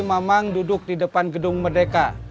iya mamang duduk di depan gedung merdeka